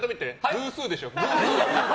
偶数でしょ。